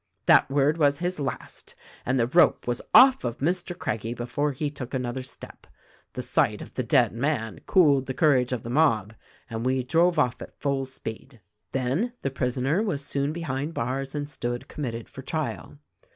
"That word was his last ; and the rope was off of Mr. Craggie before he took another step. The sight of the dead man cooled the courage of the mob, and we drove off at full speed. Then the prisoner was soon behind bars and stood committed for trial.